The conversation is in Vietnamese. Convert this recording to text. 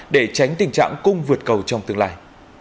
để tránh tình trạng cung vượt cầu trong tương lai